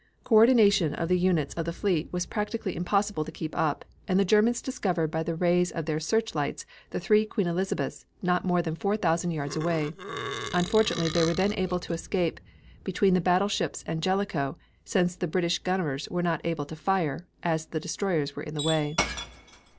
Coordination of the units of the fleet was practically impossible to keep up, and the Germans discovered by the rays of their searchlights the three Queen Elizabeths, not more than 4,000 yards away. Unfortunately they were then able to escape between the battleships and Jellicoe, since the British gunners were not able to fire, as the destroyers were in the way.